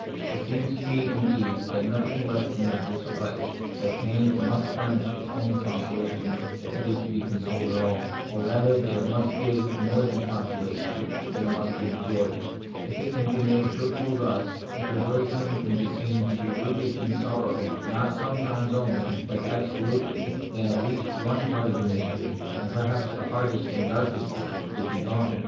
It seems to me, indeed, that nothing less than this will suffice ; that pain must furnish its own consolation, if it is to be consoled at all ; or rather that it must give more than consolation — that it must give joy. If it can be made fruitful thus, if a rejoicing can be seen to be rooted in sorrow, not sometimes only, but absolutely, then at least one part of the mystery, and perhaps the hardest and the darkest part, would be gone.